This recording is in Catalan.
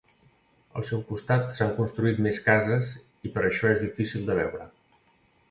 Al seu costat s'han construït més cases i per això és difícil de veure.